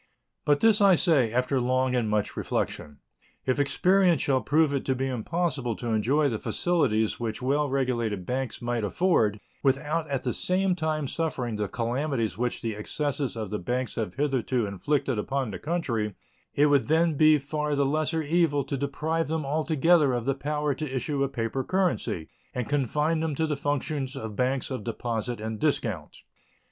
But this I say, after long and much reflection: If experience shall prove it to be impossible to enjoy the facilities which well regulated banks might afford without at the same time suffering the calamities which the excesses of the banks have hitherto inflicted upon the country, it would then be far the lesser evil to deprive them altogether of the power to issue a paper currency and confine them to the functions of banks of deposit and discount.